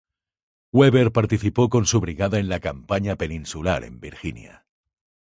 Weber participó con su brigada en la Campaña Peninsular en Virginia.